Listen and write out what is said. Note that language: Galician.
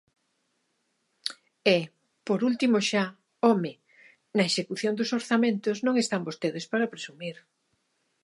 E, por último xa, ¡home!, na execución dos orzamentos non están vostedes para presumir.